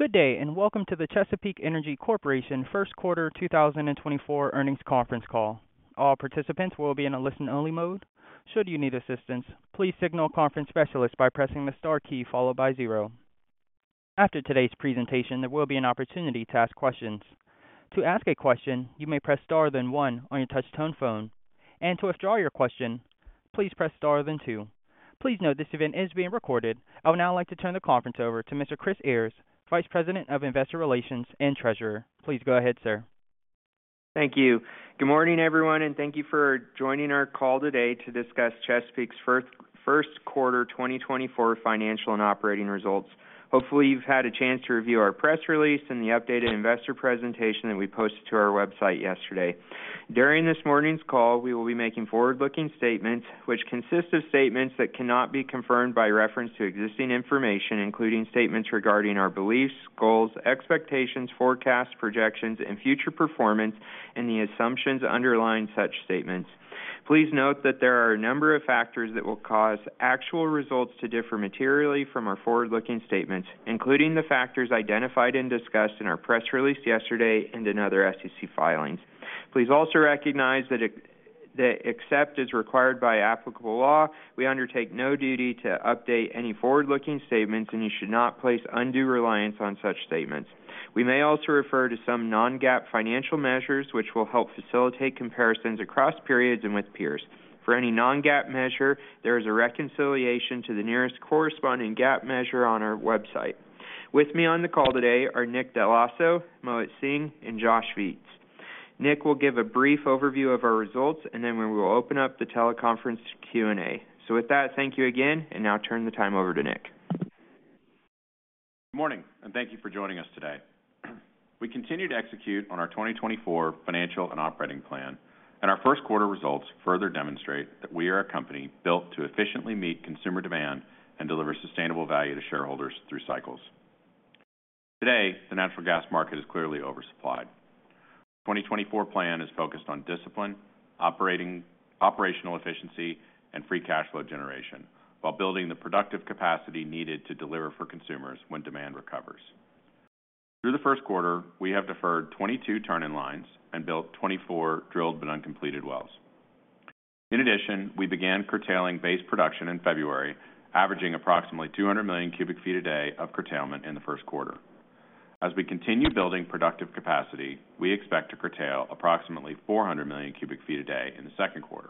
Good day, and welcome to the Chesapeake Energy Corporation First Quarter 2024 earnings conference call. All participants will be in a listen-only mode. Should you need assistance, please signal a conference specialist by pressing the star key followed by zero. After today's presentation, there will be an opportunity to ask questions. To ask a question, you may press star, then one on your touch-tone phone, and to withdraw your question, please press star, then two. Please note this event is being recorded. I would now like to turn the conference over to Mr. Chris Ayres, Vice President of Investor Relations and Treasurer. Please go ahead, sir. Thank you. Good morning, everyone, and thank you for joining our call today to discuss Chesapeake's first, first quarter 2024 financial and operating results. Hopefully, you've had a chance to review our press release and the updated investor presentation that we posted to our website yesterday. During this morning's call, we will be making forward-looking statements, which consist of statements that cannot be confirmed by reference to existing information, including statements regarding our beliefs, goals, expectations, forecasts, projections, and future performance, and the assumptions underlying such statements. Please note that there are a number of factors that will cause actual results to differ materially from our forward-looking statements, including the factors identified and discussed in our press release yesterday and in other SEC filings. Please also recognize that, except as required by applicable law, we undertake no duty to update any forward-looking statements, and you should not place undue reliance on such statements. We may also refer to some non-GAAP financial measures, which will help facilitate comparisons across periods and with peers. For any non-GAAP measure, there is a reconciliation to the nearest corresponding GAAP measure on our website. With me on the call today are Nick Dell'Osso, Mohit Singh, and Josh Viets. Nick will give a brief overview of our results, and then we will open up the teleconference Q&A. With that, thank you again, and now turn the time over to Nick. Good morning, and thank you for joining us today. We continue to execute on our 2024 financial and operating plan, and our first quarter results further demonstrate that we are a company built to efficiently meet consumer demand and deliver sustainable value to shareholders through cycles. Today, the natural gas market is clearly oversupplied. Our 2024 plan is focused on discipline, operational efficiency, and free cash flow generation, while building the productive capacity needed to deliver for consumers when demand recovers. Through the first quarter, we have deferred 22 turn-in-lines and built 24 drilled but uncompleted wells. In addition, we began curtailing base production in February, averaging approximately 200 million cubic feet a day of curtailment in the first quarter. As we continue building productive capacity, we expect to curtail approximately 400 million cubic feet a day in the second quarter.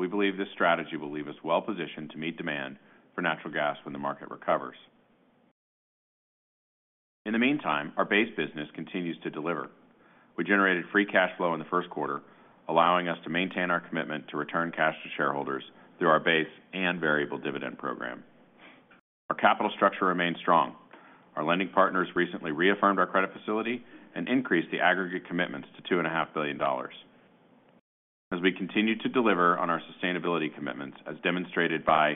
We believe this strategy will leave us well-positioned to meet demand for natural gas when the market recovers. In the meantime, our base business continues to deliver. We generated free cash flow in the first quarter, allowing us to maintain our commitment to return cash to shareholders through our base and variable dividend program. Our capital structure remains strong. Our lending partners recently reaffirmed our credit facility and increased the aggregate commitments to $2.5 billion. As we continue to deliver on our sustainability commitments, as demonstrated by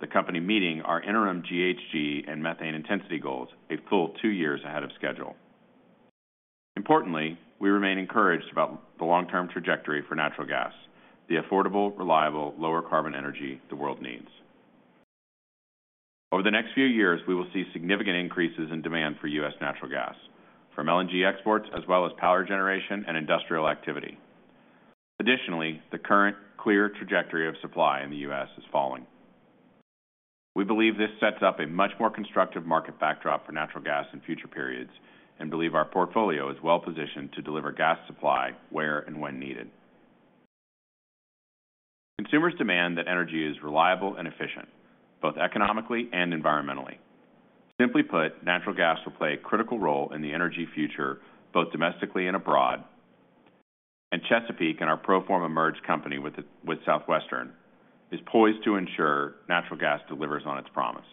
the company meeting our interim GHG and methane intensity goals a full two years ahead of schedule. Importantly, we remain encouraged about the long-term trajectory for natural gas, the affordable, reliable, lower carbon energy the world needs. Over the next few years, we will see significant increases in demand for U.S. natural gas, from LNG exports, as well as power generation and industrial activity. Additionally, the current clear trajectory of supply in the U.S. is falling. We believe this sets up a much more constructive market backdrop for natural gas in future periods and believe our portfolio is well-positioned to deliver gas supply where and when needed. Consumers demand that energy is reliable and efficient, both economically and environmentally. Simply put, natural gas will play a critical role in the energy future, both domestically and abroad, and Chesapeake and our pro forma merged company with Southwestern is poised to ensure natural gas delivers on its promise.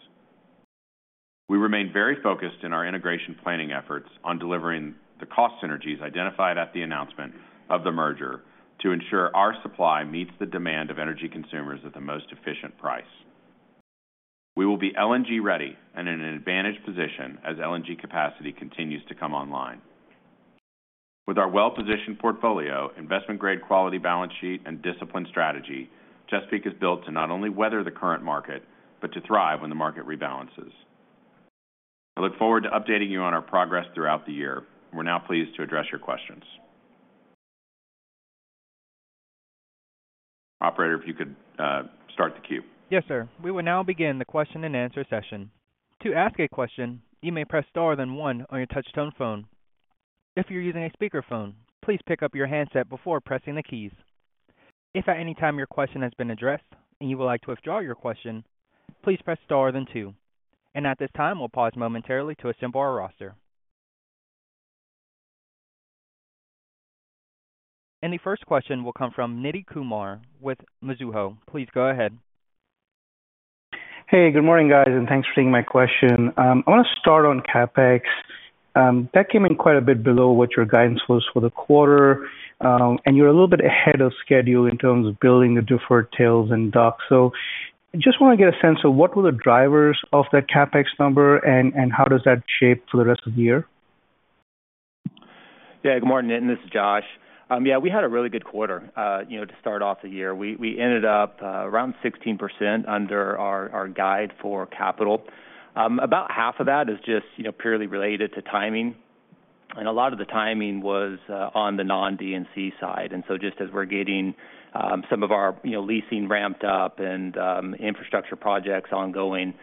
We remain very focused in our integration planning efforts on delivering the cost synergies identified at the announcement of the merger to ensure our supply meets the demand of energy consumers at the most efficient price. We will be LNG-ready and in an advantaged position as LNG capacity continues to come online. With our well-positioned portfolio, investment-grade quality balance sheet, and disciplined strategy, Chesapeake is built to not only weather the current market, but to thrive when the market rebalances. I look forward to updating you on our progress throughout the year. We're now pleased to address your questions. Operator, if you could, start the queue. Yes, sir. We will now begin the question-and-answer session. To ask a question, you may press star, then one on your touch-tone phone. If you're using a speakerphone, please pick up your handset before pressing the keys. If at any time your question has been addressed and you would like to withdraw your question, please press star, then two. At this time, we'll pause momentarily to assemble our roster. The first question will come from Nitin Kumar with Mizuho. Please go ahead. Hey, good morning, guys, and thanks for taking my question. I want to start on CapEx. That came in quite a bit below what your guidance was for the quarter, and you're a little bit ahead of schedule in terms of building the deferred TILs and DUCs. So I just want to get a sense of what were the drivers of that CapEx number and, and how does that shape for the rest of the year?... Yeah, good morning, Nitin. This is Josh. Yeah, we had a really good quarter, you know, to start off the year. We ended up around 16% under our guide for capital. About half of that is just, you know, purely related to timing, and a lot of the timing was on the non-D&C side. And so just as we're getting some of our, you know, leasing ramped up and infrastructure projects ongoing,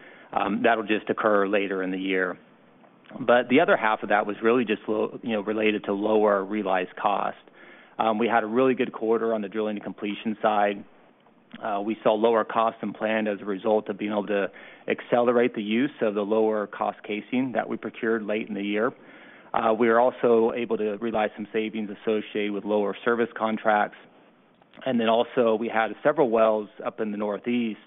that'll just occur later in the year. But the other half of that was really just you know, related to lower realized cost. We had a really good quarter on the drilling and completion side. We saw lower cost than planned as a result of being able to accelerate the use of the lower cost casing that we procured late in the year. We were also able to realize some savings associated with lower service contracts. And then also, we had several wells up in the Northeast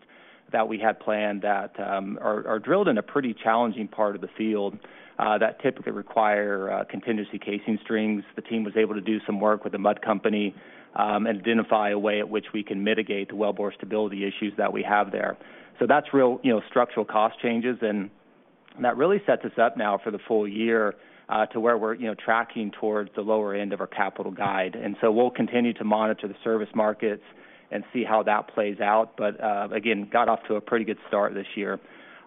that we had planned that are drilled in a pretty challenging part of the field that typically require contingency casing strings. The team was able to do some work with the mud company and identify a way at which we can mitigate the wellbore stability issues that we have there. So that's real, you know, structural cost changes, and that really sets us up now for the full year to where we're, you know, tracking towards the lower end of our capital guide. And so we'll continue to monitor the service markets and see how that plays out. But again, got off to a pretty good start this year.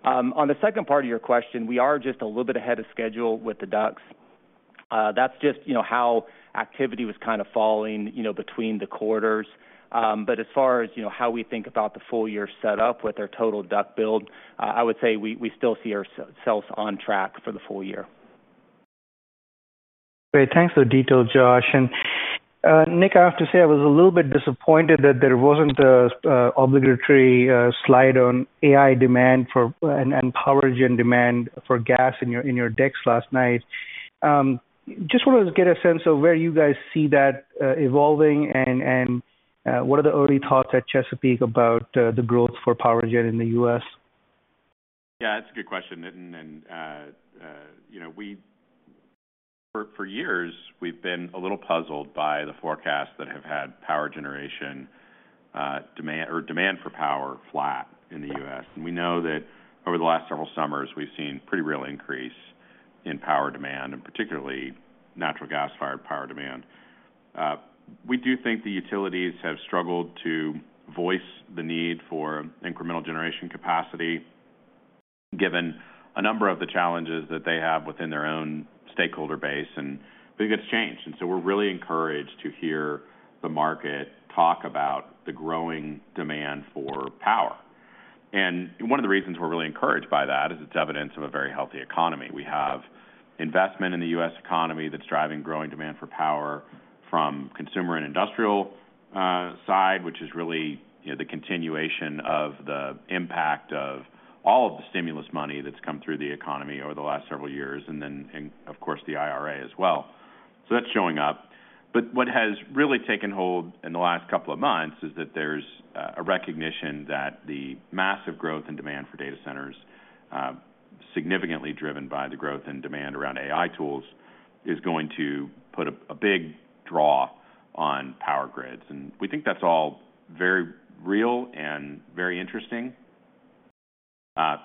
On the second part of your question, we are just a little bit ahead of schedule with the DUCs. That's just, you know, how activity was kind of falling, you know, between the quarters. But as far as, you know, how we think about the full year set up with our total DUC build, I would say we, we still see ourselves on track for the full year. Great. Thanks for the detail, Josh. And, Nick, I have to say, I was a little bit disappointed that there wasn't a obligatory slide on AI demand for, and power gen demand for gas in your decks last night. Just wanted to get a sense of where you guys see that evolving and what are the early thoughts at Chesapeake about the growth for power gen in the U.S.? Yeah, that's a good question, Nitin, and you know, we for years we've been a little puzzled by the forecasts that have had power generation demand or demand for power flat in the U.S. And we know that over the last several summers, we've seen pretty real increase in power demand, and particularly natural gas-fired power demand. We do think the utilities have struggled to voice the need for incremental generation capacity, given a number of the challenges that they have within their own stakeholder base, and we think that's changed. And so we're really encouraged to hear the market talk about the growing demand for power. And one of the reasons we're really encouraged by that is it's evidence of a very healthy economy. We have investment in the U.S. economy that's driving growing demand for power from consumer and industrial side, which is really, you know, the continuation of the impact of all of the stimulus money that's come through the economy over the last several years, and then, and of course, the IRA as well. So that's showing up. But what has really taken hold in the last couple of months is that there's a recognition that the massive growth and demand for data centers, significantly driven by the growth and demand around AI tools, is going to put a big draw on power grids. And we think that's all very real and very interesting.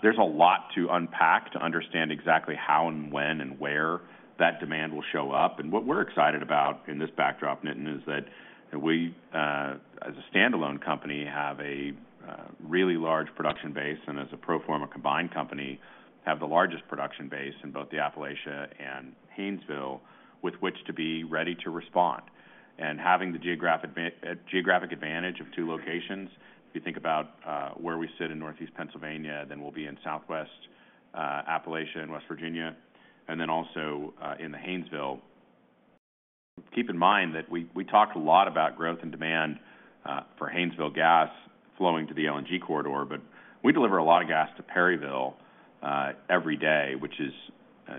There's a lot to unpack to understand exactly how and when and where that demand will show up. What we're excited about in this backdrop, Nitin, is that we, as a standalone company, have a really large production base, and as a pro forma combined company, have the largest production base in both Appalachia and Haynesville, with which to be ready to respond. Having the geographic advantage of two locations, if you think about where we sit in Northeast Pennsylvania, then we'll be in Southwest Appalachia and West Virginia, and then also in the Haynesville. Keep in mind that we talked a lot about growth and demand for Haynesville gas flowing to the LNG corridor, but we deliver a lot of gas to Perryville every day, which is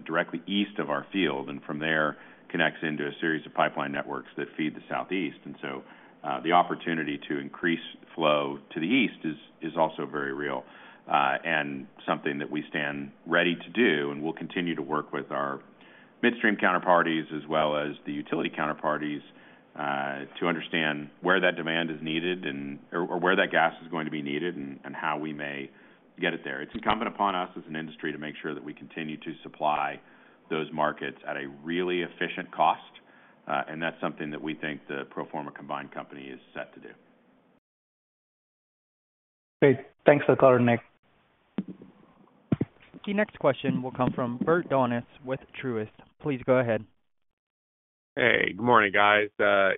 directly east of our field, and from there, connects into a series of pipeline networks that feed the Southeast. And so, the opportunity to increase flow to the east is also very real, and something that we stand ready to do. And we'll continue to work with our midstream counterparties, as well as the utility counterparties, to understand where that demand is needed and/or where that gas is going to be needed and how we may get it there. It's incumbent upon us as an industry to make sure that we continue to supply those markets at a really efficient cost, and that's something that we think the pro forma combined company is set to do. Great. Thanks for the call, Nick. The next question will come from Bert Donnes with Truist. Please go ahead. Hey, good morning, guys.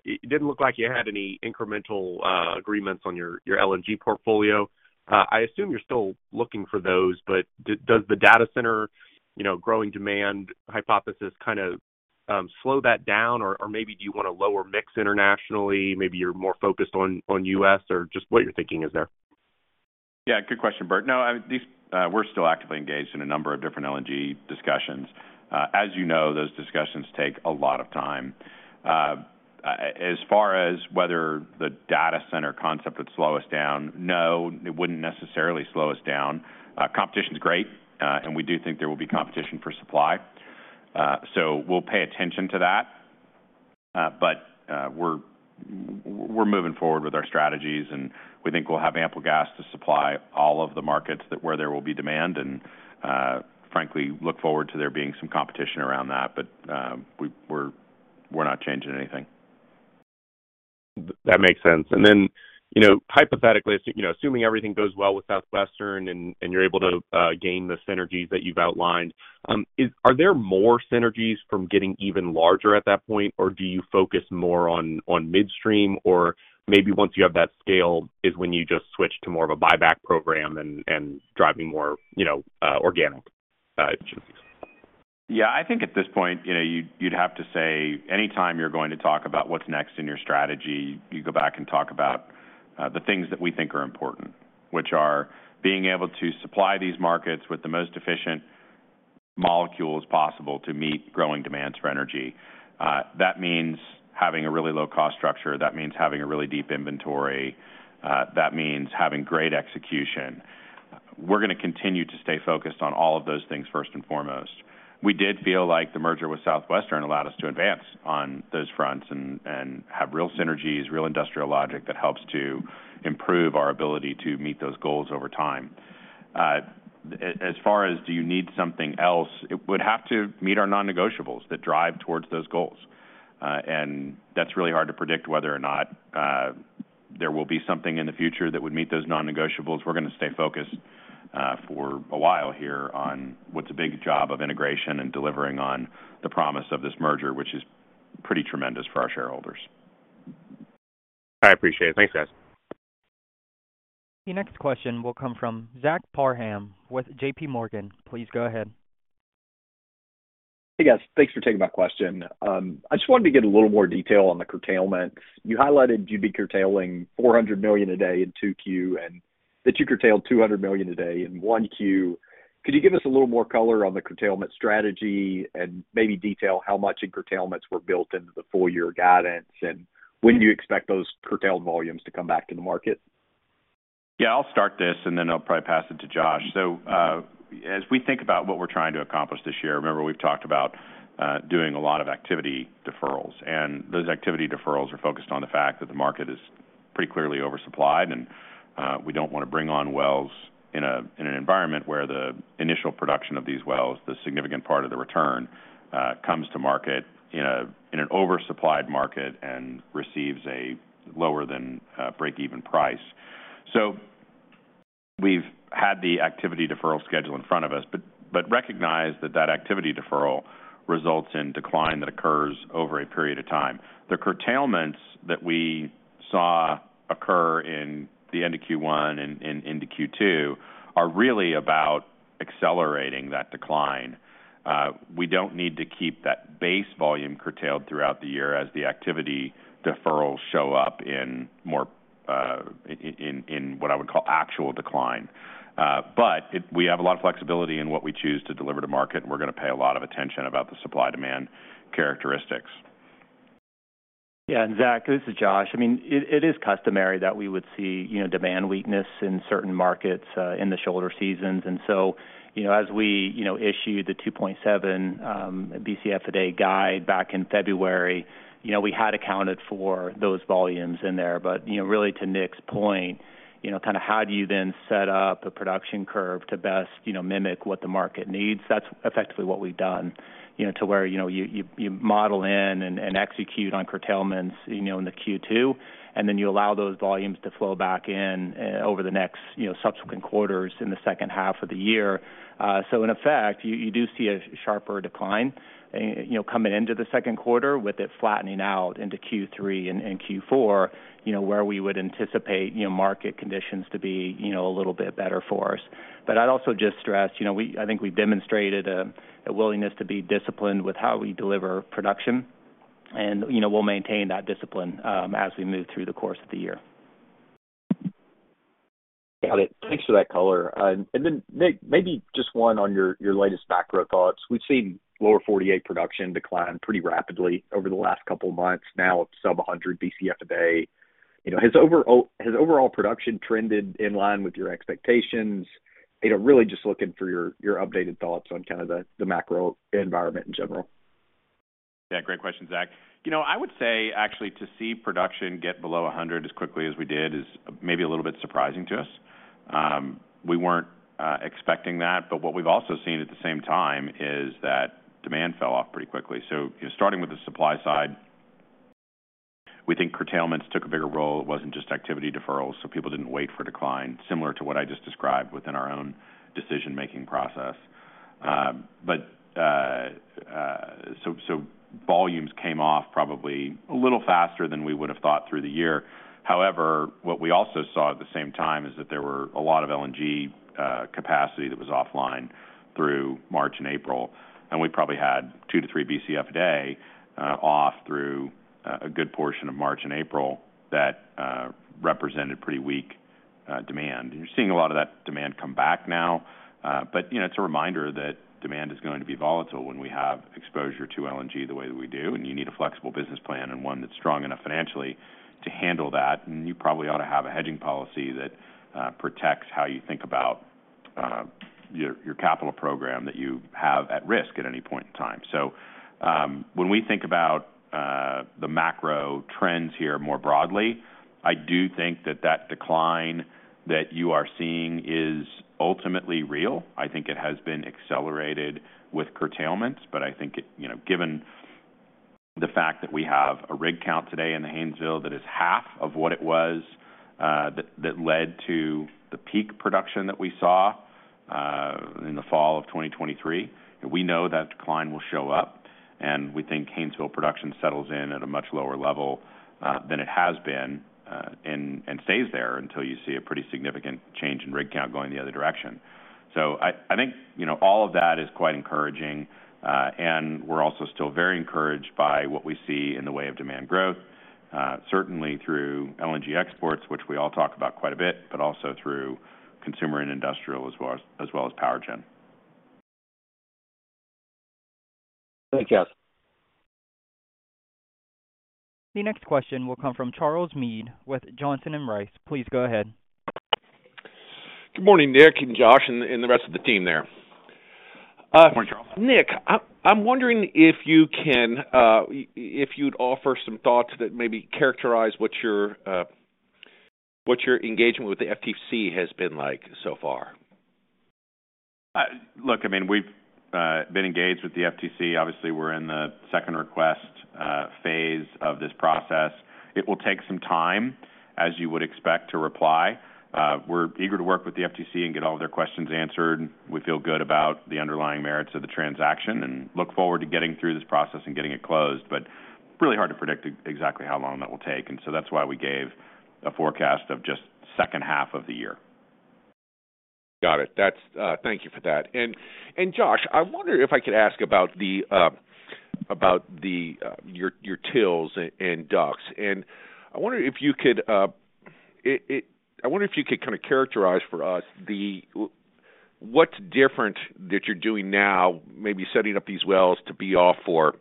It didn't look like you had any incremental agreements on your LNG portfolio. I assume you're still looking for those, but does the data center, you know, growing demand hypothesis kind of slow that down? Or maybe do you want a lower mix internationally? Maybe you're more focused on U.S., or just what you're thinking is there? Yeah, good question, Bert. No, I mean, these... We're still actively engaged in a number of different LNG discussions. As you know, those discussions take a lot of time. As far as whether the data center concept would slow us down, no, it wouldn't necessarily slow us down. Competition's great, and we do think there will be competition for supply. So we'll pay attention to that, but we're moving forward with our strategies, and we think we'll have ample gas to supply all of the markets that where there will be demand, and frankly, look forward to there being some competition around that. But we're not changing anything. That makes sense. Then, you know, hypothetically, as you know, assuming everything goes well with Southwestern and you're able to gain the synergies that you've outlined, are there more synergies from getting even larger at that point, or do you focus more on midstream? Or maybe once you have that scale, is when you just switch to more of a buyback program and driving more, you know, organic changes? Yeah, I think at this point, you know, you'd, you'd have to say anytime you're going to talk about what's next in your strategy, you go back and talk about, the things that we think are important, which are being able to supply these markets with the most efficient molecules possible to meet growing demands for energy. That means having a really low cost structure. That means having a really deep inventory. That means having great execution. We're gonna continue to stay focused on all of those things first and foremost. We did feel like the merger with Southwestern allowed us to advance on those fronts and, and have real synergies, real industrial logic that helps to improve our ability to meet those goals over time. As far as do you need something else, it would have to meet our non-negotiables that drive towards those goals. And that's really hard to predict whether or not there will be something in the future that would meet those non-negotiables. We're gonna stay focused, for a while here on what's a big job of integration and delivering on the promise of this merger, which is pretty tremendous for our shareholders. I appreciate it. Thanks, guys. The next question will come from Zach Parham with JP Morgan. Please go ahead. Hey, guys. Thanks for taking my question. I just wanted to get a little more detail on the curtailments. You highlighted you'd be curtailing 400 million a day in 2Q, and that you curtailed 200 million a day in 1Q. Could you give us a little more color on the curtailment strategy and maybe detail how much in curtailments were built into the full year guidance, and when do you expect those curtailed volumes to come back to the market? Yeah, I'll start this, and then I'll probably pass it to Josh. So, as we think about what we're trying to accomplish this year, remember, we've talked about doing a lot of activity deferrals, and those activity deferrals are focused on the fact that the market is pretty clearly oversupplied, and we don't want to bring on wells in an environment where the initial production of these wells, the significant part of the return, comes to market in an oversupplied market and receives a lower than break-even price. So we've had the activity deferral schedule in front of us, but recognize that that activity deferral results in decline that occurs over a period of time. The curtailments that we saw occur in the end of Q1 and into Q2 are really about accelerating that decline. We don't need to keep that base volume curtailed throughout the year as the activity deferrals show up in more, in what I would call actual decline. But it, we have a lot of flexibility in what we choose to deliver to market, and we're gonna pay a lot of attention about the supply-demand characteristics. Yeah, and, Zach, this is Josh. I mean, it, it is customary that we would see, you know, demand weakness in certain markets, in the shoulder seasons. And so, you know, as we, you know, issued the 2.7 BCF a day guide back in February, you know, we had accounted for those volumes in there. But, you know, really, to Nick's point, you know, kind of how do you then set up a production curve to best, you know, mimic what the market needs? That's effectively what we've done, you know, to where, you know, you, you, you model in and, and execute on curtailments, you know, in the Q2, and then you allow those volumes to flow back in, over the next, you know, subsequent quarters in the second half of the year. So in effect, you, you do see a sharper decline, you know, coming into the second quarter, with it flattening out into Q3 and Q4, you know, where we would anticipate, you know, market conditions to be, you know, a little bit better for us. But I'd also just stress, you know, we—I think we've demonstrated a willingness to be disciplined with how we deliver production, and, you know, we'll maintain that discipline as we move through the course of the year. Got it. Thanks for that color. And then, Nick, maybe just one on your latest macro thoughts. We've seen Lower 48 production decline pretty rapidly over the last couple of months. Now it's sub 100 BCF a day. You know, has overall production trended in line with your expectations? You know, really just looking for your updated thoughts on kind of the macro environment in general. Yeah, great question, Zach. You know, I would say actually to see production get below 100 as quickly as we did is maybe a little bit surprising to us. We weren't expecting that, but what we've also seen at the same time is that demand fell off pretty quickly. So starting with the supply side, we think curtailments took a bigger role. It wasn't just activity deferrals, so people didn't wait for decline, similar to what I just described within our own decision-making process. Volumes came off probably a little faster than we would have thought through the year. However, what we also saw at the same time is that there were a lot of LNG capacity that was offline through March and April, and we probably had 2-3 BCF a day off through a good portion of March and April. That represented pretty weak demand. You're seeing a lot of that demand come back now, but, you know, it's a reminder that demand is going to be volatile when we have exposure to LNG the way that we do. And you need a flexible business plan and one that's strong enough financially to handle that, and you probably ought to have a hedging policy that protects how you think about your capital program that you have at risk at any point in time. So, when we think about the macro trends here more broadly, I do think that that decline that you are seeing is ultimately real. I think it has been accelerated with curtailments, but I think it, you know, given the fact that we have a rig count today in the Haynesville that is half of what it was that led to the peak production that we saw in the fall of 2023. We know that decline will show up, and we think Haynesville production settles in at a much lower level than it has been and stays there until you see a pretty significant change in rig count going the other direction. So I think, you know, all of that is quite encouraging, and we're also still very encouraged by what we see in the way of demand growth, certainly through LNG exports, which we all talk about quite a bit, but also through consumer and industrial, as well as power gen. Thank you. The next question will come from Charles Meade, with Johnson Rice. Please go ahead. Good morning, Nick and Josh, and the rest of the team there. Good morning, Charles. Nick, I'm wondering if you can, if you'd offer some thoughts that maybe characterize what your, what your engagement with the FTC has been like so far. Look, I mean, we've been engaged with the FTC. Obviously, we're in the second request phase of this process. It will take some time, as you would expect, to reply. We're eager to work with the FTC and get all of their questions answered. We feel good about the underlying merits of the transaction and look forward to getting through this process and getting it closed. But really hard to predict exactly how long that will take, and so that's why we gave a forecast of just second half of the year. Got it. That's. Thank you for that. And Josh, I wonder if I could ask about the, about the, your, your TILs and DUCs. And I wonder if you could kinda characterize for us what's different that you're doing now, maybe setting up these wells to be off for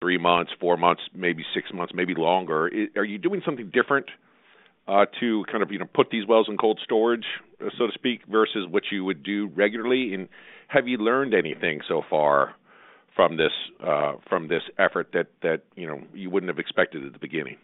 three months, four months, maybe six months, maybe longer. Are you doing something different, to kind of, you know, put these wells in cold storage, so to speak, versus what you would do regularly? And have you learned anything so far from this, from this effort that, you know, you wouldn't have expected at the beginning?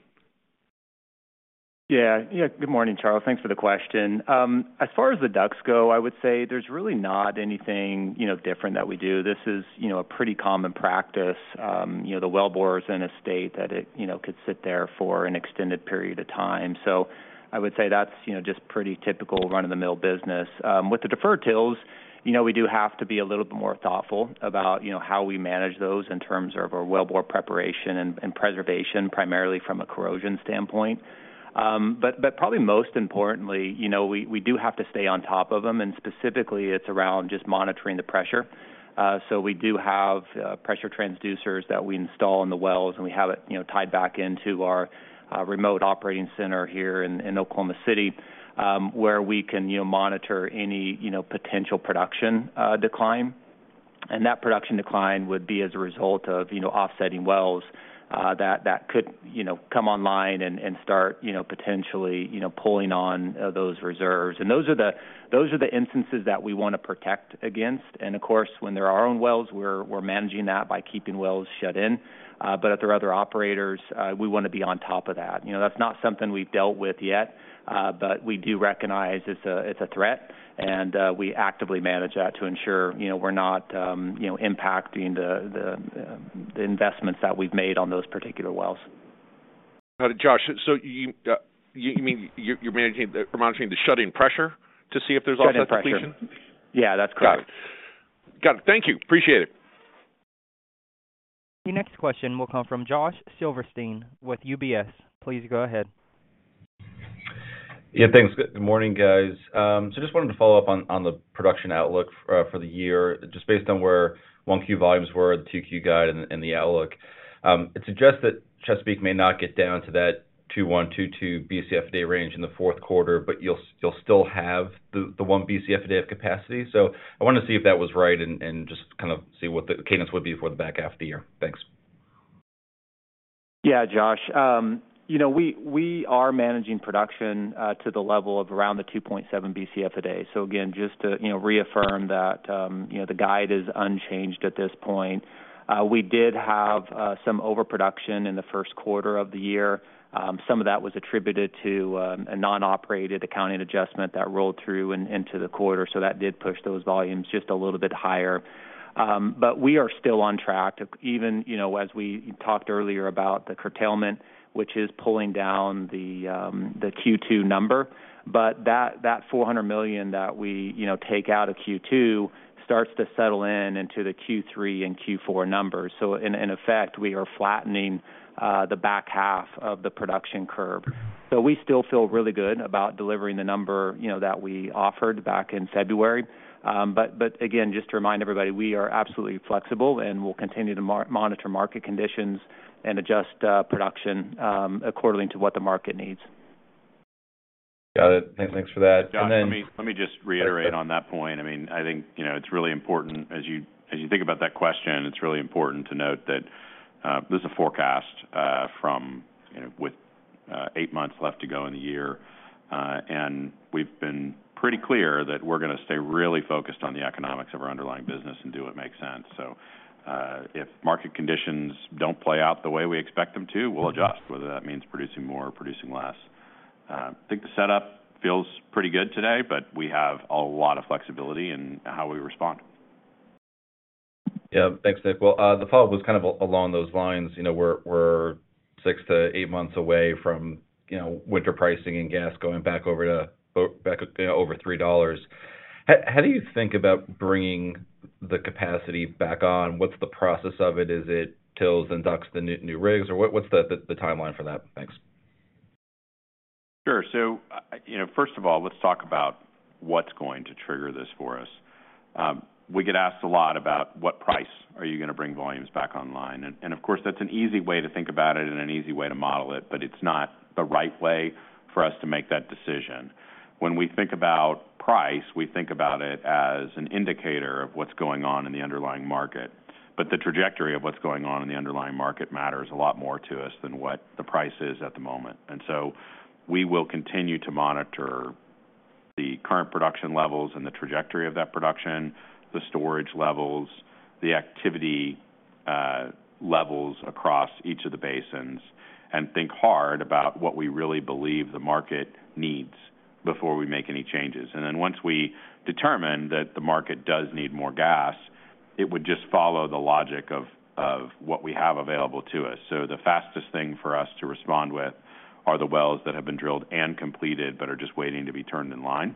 Yeah. Yeah. Good morning, Charles. Thanks for the question. As far as the DUCs go, I would say there's really not anything, you know, different that we do. This is, you know, a pretty common practice. You know, the wellbore is in a state that it, you know, could sit there for an extended period of time. So I would say that's, you know, just pretty typical run-of-the-mill business. With the deferred TILs, you know, we do have to be a little bit more thoughtful about, you know, how we manage those in terms of our wellbore preparation and, and preservation, primarily from a corrosion standpoint. But, but probably most importantly, you know, we, we do have to stay on top of them, and specifically, it's around just monitoring the pressure. So we do have pressure transducers that we install in the wells, and we have it, you know, tied back into our remote operating center here in Oklahoma City, where we can, you know, monitor any potential production decline. And that production decline would be as a result of, you know, offsetting wells that could, you know, come online and start, you know, potentially pulling on those reserves. And those are the instances that we wanna protect against, and of course, when they're our own wells, we're managing that by keeping wells shut in. But at the other operators, we wanna be on top of that. You know, that's not something we've dealt with yet, but we do recognize it's a threat, and we actively manage that to ensure, you know, we're not impacting the investments that we've made on those particular wells. Got it, Josh, so you mean you're monitoring the shut-in pressure to see if there's offset completion? Shut-in pressure. Yeah, that's correct. Got it. Thank you. Appreciate it. Your next question will come from Josh Silverstein with UBS. Please go ahead. Yeah, thanks. Good morning, guys. So just wanted to follow up on, on the production outlook, for the year, just based on where 1Q volumes were, the 2Q guide and the, and the outlook. It suggests that Chesapeake may not get down to that 21-22 Bcf a day range in the fourth quarter, but you'll, you'll still have the, the one Bcf a day of capacity. So I wanted to see if that was right and, and just kind of see what the cadence would be for the back half of the year. Thanks. Yeah, Josh. You know, we are managing production to the level of around the 2.7 Bcf a day. So again, just to, you know, reaffirm that, you know, the guide is unchanged at this point. We did have some overproduction in the first quarter of the year. Some of that was attributed to a non-operated accounting adjustment that rolled through into the quarter, so that did push those volumes just a little bit higher. But we are still on track, even, you know, as we talked earlier about the curtailment, which is pulling down the Q2 number. But that 400 million that we, you know, take out of Q2 starts to settle into the Q3 and Q4 numbers. So in effect, we are flattening the back half of the production curve. So we still feel really good about delivering the number, you know, that we offered back in February. But again, just to remind everybody, we are absolutely flexible, and we'll continue to monitor market conditions and adjust production accordingly to what the market needs. Got it. Thanks for that. Josh, let me just reiterate on that point. I mean, I think, you know, it's really important as you, as you think about that question, it's really important to note that this is a forecast from, you know, with eight months left to go in the year. And we've been pretty clear that we're gonna stay really focused on the economics of our underlying business and do what makes sense. So, if market conditions don't play out the way we expect them to, we'll adjust, whether that means producing more or producing less. I think the setup feels pretty good today, but we have a lot of flexibility in how we respond. Yeah. Thanks, Nick. Well, the follow-up was kind of along those lines. You know, we're six to eight months away from, you know, winter pricing and gas going back over to, back over $3. How do you think about bringing the capacity back on? What's the process of it? Is it TILs and DUCs, the new rigs, or what, what's the timeline for that? Thanks. Sure. So, you know, first of all, let's talk about what's going to trigger this for us. We get asked a lot about what price are you gonna bring volumes back online? And, of course, that's an easy way to think about it and an easy way to model it, but it's not the right way for us to make that decision. When we think about price, we think about it as an indicator of what's going on in the underlying market. But the trajectory of what's going on in the underlying market matters a lot more to us than what the price is at the moment. So we will continue to monitor the current production levels and the trajectory of that production, the storage levels, the activity levels across each of the basins, and think hard about what we really believe the market needs before we make any changes. Then once we determine that the market does need more gas, it would just follow the logic of what we have available to us. So the fastest thing for us to respond with are the wells that have been drilled and completed but are just waiting to be turned in line.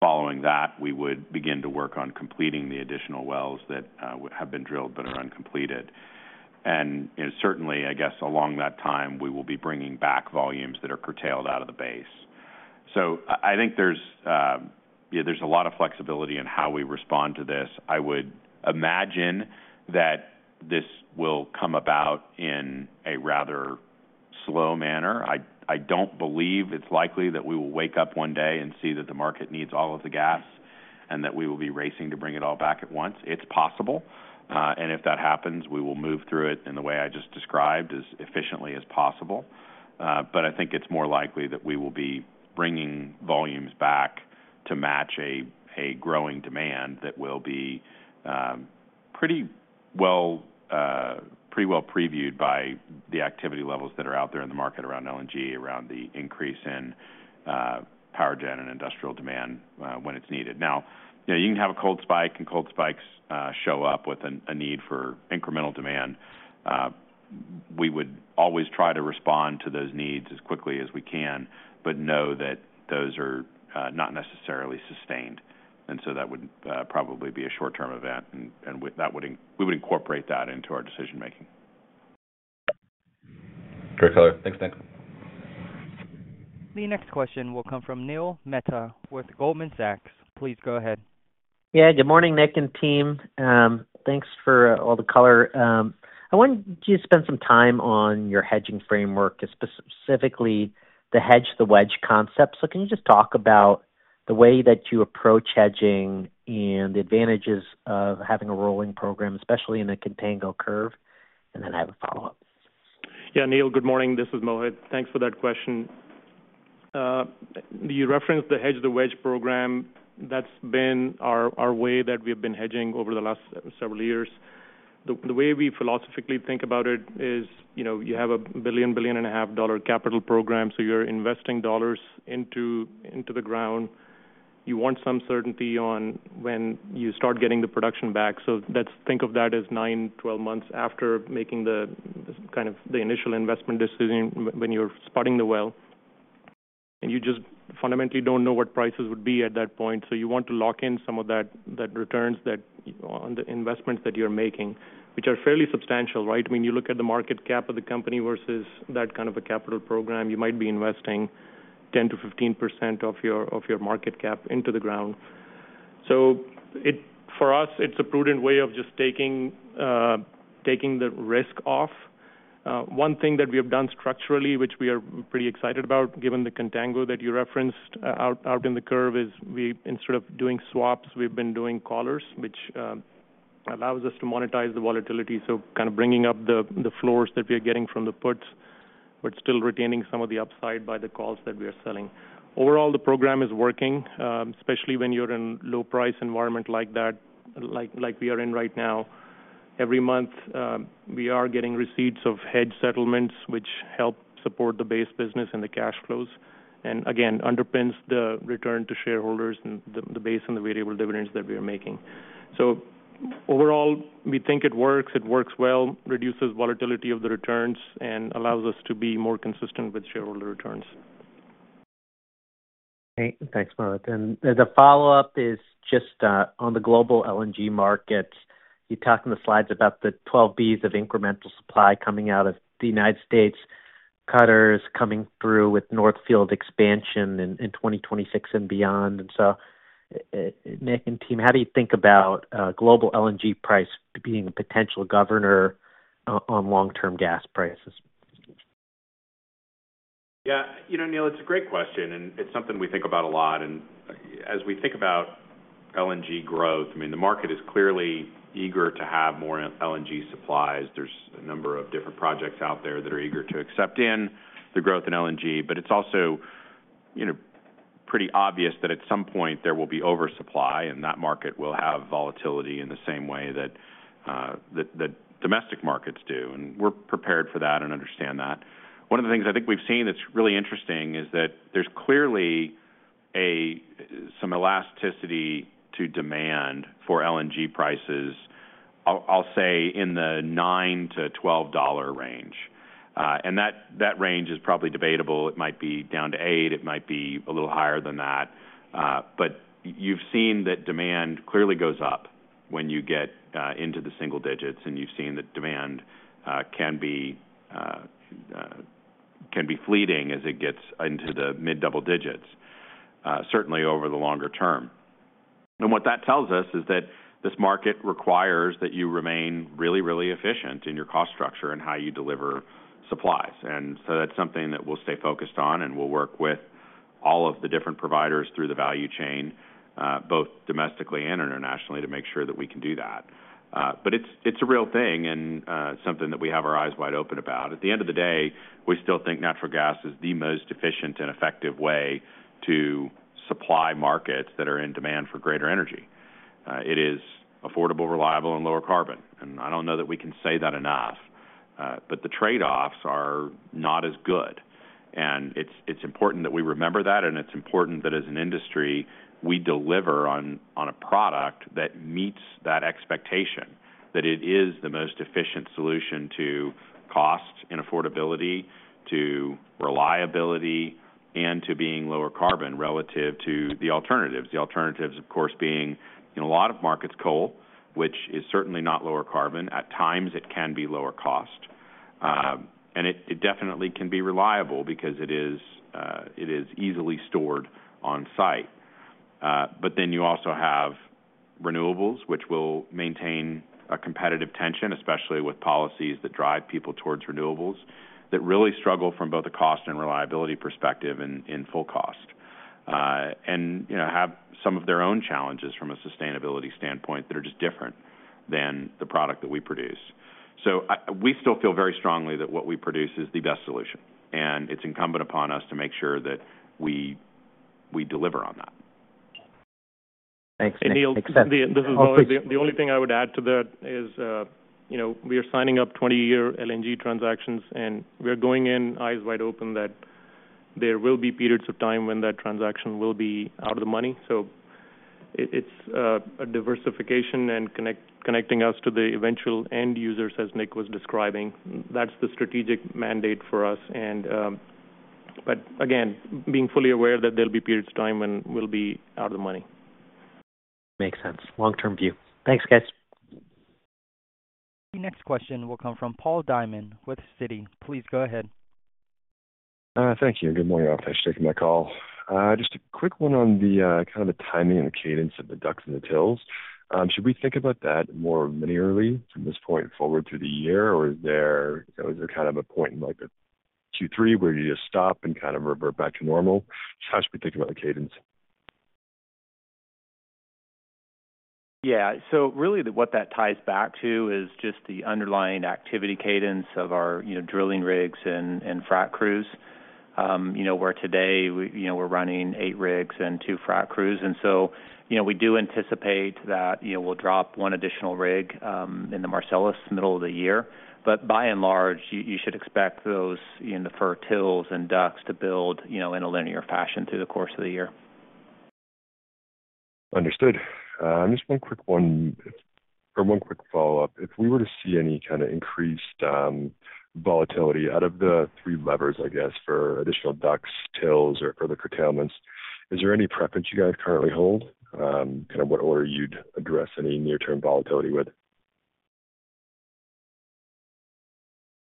Following that, we would begin to work on completing the additional wells that have been drilled but are uncompleted. And certainly, I guess, along that time, we will be bringing back volumes that are curtailed out of the base. So I think there's yeah, there's a lot of flexibility in how we respond to this. I would imagine that this will come about in a rather slow manner. I don't believe it's likely that we will wake up one day and see that the market needs all of the gas, and that we will be racing to bring it all back at once. It's possible, and if that happens, we will move through it in the way I just described, as efficiently as possible. But I think it's more likely that we will be bringing volumes back to match a growing demand that will be pretty well, pretty well previewed by the activity levels that are out there in the market around LNG, around the increase in power gen and industrial demand when it's needed. Now, you know, you can have a cold spike, and cold spikes show up with a need for incremental demand. We would always try to respond to those needs as quickly as we can, but know that those are not necessarily sustained, and so that would probably be a short-term event, and we would incorporate that into our decision making. Great color. Thanks, Nick. The next question will come from Neil Mehta with Goldman Sachs. Please go ahead. Yeah, good morning, Nick and team. Thanks for all the color. I want you to spend some time on your hedging framework, specifically the hedge-the-wedge concept. So can you just talk about the way that you approach hedging and the advantages of having a rolling program, especially in a contango curve? And then I have a follow-up. Yeah. Neil, good morning. This is Mohit. Thanks for that question. You referenced the Hedge-the-Wedge program. That's been our, our way that we've been hedging over the last several years. The, the way we philosophically think about it is, you know, you have a $1 billion-$1.5 billion capital program, so you're investing dollars into, into the ground. You want some certainty on when you start getting the production back. So let's think of that as 9-12 months after making the, kind of, the initial investment decision when, when you're spotting the well. And you just fundamentally don't know what prices would be at that point, so you want to lock in some of that, that returns, that, on the investments that you're making, which are fairly substantial, right? When you look at the market cap of the company versus that kind of a capital program, you might be investing 10%-15% of your, of your market cap into the ground. So it—for us, it's a prudent way of just taking, taking the risk off. One thing that we have done structurally, which we are pretty excited about, given the contango that you referenced out in the curve, is we, instead of doing swaps, we've been doing collars, which allows us to monetize the volatility. So kind of bringing up the, the floors that we are getting from the puts, but still retaining some of the upside by the calls that we are selling. Overall, the program is working, especially when you're in low price environment like that, like, like we are in right now. Every month, we are getting receipts of hedge settlements, which help support the base business and the cash flows, and again, underpins the return to shareholders and the base and the variable dividends that we are making. So overall, we think it works. It works well, reduces volatility of the returns, and allows us to be more consistent with shareholder returns. Great. Thanks, Mohit. The follow-up is just on the global LNG market. You talked in the slides about the 12 B's of incremental supply coming out of the United States. Qatar is coming through with North Field expansion in 2026 and beyond. So, Nick and team, how do you think about global LNG price being a potential governor on long-term gas prices?... Yeah. You know, Neil, it's a great question, and it's something we think about a lot. And as we think about LNG growth, I mean, the market is clearly eager to have more LNG supplies. There's a number of different projects out there that are eager to accept in the growth in LNG, but it's also, you know, pretty obvious that at some point there will be oversupply, and that market will have volatility in the same way that, that, that domestic markets do, and we're prepared for that and understand that. One of the things I think we've seen that's really interesting is that there's clearly some elasticity to demand for LNG prices, I'll, I'll say, in the $9-$12 range. And that, that range is probably debatable. It might be down to $8, it might be a little higher than that. But you've seen that demand clearly goes up when you get into the single digits, and you've seen that demand can be fleeting as it gets into the mid-double digits, certainly over the longer term. What that tells us is that this market requires that you remain really, really efficient in your cost structure and how you deliver supplies. So that's something that we'll stay focused on, and we'll work with all of the different providers through the value chain, both domestically and internationally, to make sure that we can do that. But it's a real thing and something that we have our eyes wide open about. At the end of the day, we still think natural gas is the most efficient and effective way to supply markets that are in demand for greater energy. It is affordable, reliable, and lower carbon. I don't know that we can say that enough, but the trade-offs are not as good. It's important that we remember that, and it's important that as an industry, we deliver on a product that meets that expectation, that it is the most efficient solution to cost and affordability, to reliability, and to being lower carbon relative to the alternatives. The alternatives, of course, being, in a lot of markets, coal, which is certainly not lower carbon. At times, it can be lower cost, and it definitely can be reliable because it is easily stored on-site. But then you also have renewables, which will maintain a competitive tension, especially with policies that drive people towards renewables that really struggle from both a cost and reliability perspective and in full cost, and you know have some of their own challenges from a sustainability standpoint that are just different than the product that we produce. So we still feel very strongly that what we produce is the best solution, and it's incumbent upon us to make sure that we deliver on that. Thanks, Nick. Hey, Neil, this is Mohit. The only thing I would add to that is, you know, we are signing up 20-year LNG transactions, and we're going in eyes wide open, that there will be periods of time when that transaction will be out of the money. So it's a diversification and connecting us to the eventual end users, as Nick was describing. That's the strategic mandate for us, and. But again, being fully aware that there'll be periods of time when we'll be out of the money. Makes sense. Long-term view. Thanks, guys. The next question will come from Paul Diamond with Citi. Please go ahead. Thank you, and good morning. Thanks for taking my call. Just a quick one on the kind of timing and the cadence of the DUCs and the TILs. Should we think about that more linearly from this point forward through the year, or is there, you know, is there kind of a point in, like, the Q3 where you just stop and kind of revert back to normal? Just how should we think about the cadence? Yeah. So really, what that ties back to is just the underlying activity cadence of our, you know, drilling rigs and frac crews. You know, where today, we, you know, we're running eight rigs and two frac crews. And so, you know, we do anticipate that, you know, we'll drop one additional rig in the Marcellus middle of the year. But by and large, you should expect those TILs and DUCs to build, you know, in a linear fashion through the course of the year. Understood. Just one quick one or one quick follow-up. If we were to see any kind of increased volatility out of the three levers, I guess, for additional DUCs, TILs or other curtailments, is there any preference you guys currently hold? Kind of what order you'd address any near-term volatility with?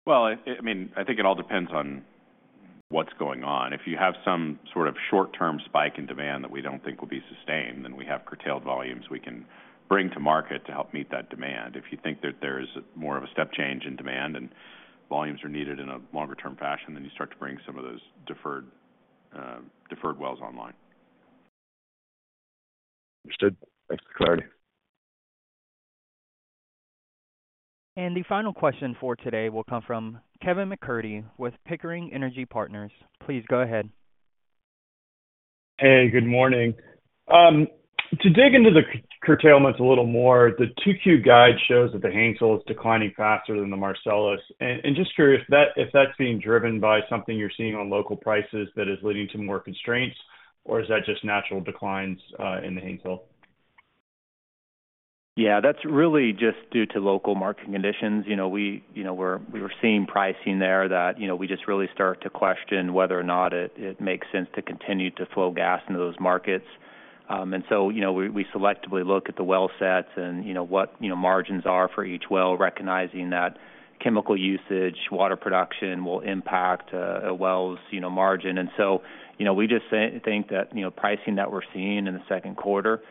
Well, I mean, I think it all depends on what's going on. If you have some sort of short-term spike in demand that we don't think will be sustained, then we have curtailed volumes we can bring to market to help meet that demand. If you think that there is more of a step change in demand and volumes are needed in a longer-term fashion, then you start to bring some of those deferred wells online. Understood. Thanks for the clarity. The final question for today will come from Kevin MacCurdy with Pickering Energy Partners. Please go ahead. Hey, good morning. To dig into the curtailments a little more, the 2Q guide shows that the Haynesville is declining faster than the Marcellus. And just curious if that, if that's being driven by something you're seeing on local prices that is leading to more constraints, or is that just natural declines in the Haynesville? Yeah, that's really just due to local market conditions. You know, we, you know, we were seeing pricing there that, you know, we just really start to question whether or not it, it makes sense to continue to flow gas into those markets. And so, you know, we, we selectively look at the well sets and, you know, what, you know, margins are for each well, recognizing that chemical usage, water production will impact, a well's, you know, margin. And so, you know, we just think that, you know, pricing that we're seeing in the second quarter,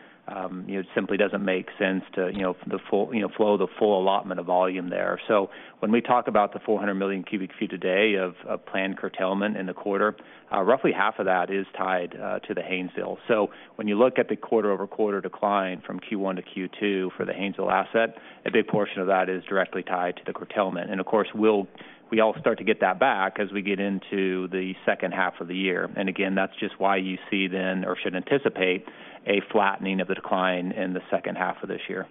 you know, simply doesn't make sense to, you know, the full, you know, flow the full allotment of volume there. So when we talk about the 400 million cubic ft a day of planned curtailment in the quarter, roughly half of that is tied to the Haynesville. So when you look at the quarter-over-quarter decline from Q1 to Q2 for the Haynesville asset, a big portion of that is directly tied to the curtailment. And of course, we'll all start to get that back as we get into the second half of the year. And again, that's just why you see then, or should anticipate, a flattening of the decline in the second half of this year....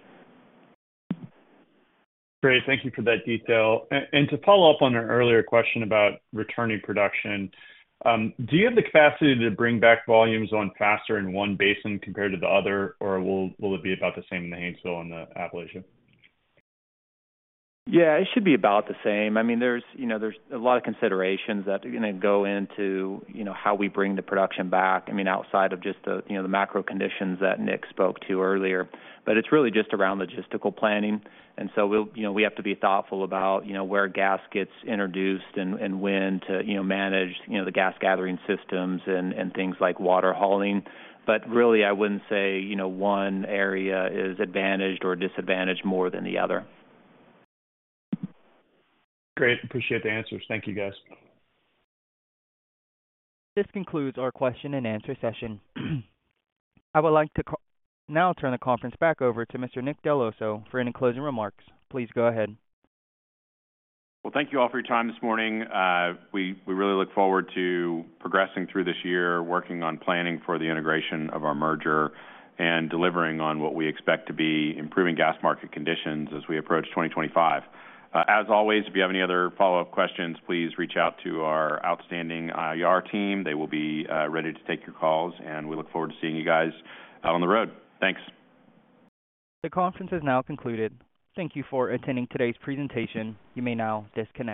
Great. Thank you for that detail. And to follow up on our earlier question about returning production, do you have the capacity to bring back volumes faster in one basin compared to the other, or will it be about the same in the Haynesville and the Appalachia? Yeah, it should be about the same. I mean, there's, you know, there's a lot of considerations that are gonna go into, you know, how we bring the production back. I mean, outside of just the, you know, the macro conditions that Nick spoke to earlier. But it's really just around logistical planning, and so we'll, you know, we have to be thoughtful about, you know, where gas gets introduced and, and when to, you know, manage, you know, the gas gathering systems and, and things like water hauling. But really, I wouldn't say, you know, one area is advantaged or disadvantaged more than the other. Great. Appreciate the answers. Thank you, guys. This concludes our question and answer session. I would like to now turn the conference back over to Mr. Nick Dell'Osso for any closing remarks. Please go ahead. Well, thank you all for your time this morning. We really look forward to progressing through this year, working on planning for the integration of our merger, and delivering on what we expect to be improving gas market conditions as we approach 2025. As always, if you have any other follow-up questions, please reach out to our outstanding IR team. They will be ready to take your calls, and we look forward to seeing you guys out on the road. Thanks. The conference has now concluded. Thank you for attending today's presentation. You may now disconnect.